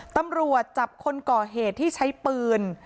ตำรวจจับคนก่อเหตุที่ใช้ปืน